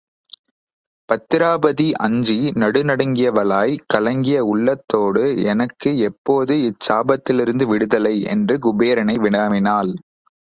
பத்திராபதி அஞ்சி நடுநடுங்கியவளாய்க் கலங்கிய உள்ளத்தோடு எனக்கு எப்போது இச் சாபத்திலிருந்து விடுதலை? என்று குபேரனை வினவினாள்.